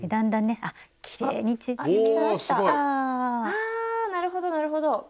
あなるほどなるほど。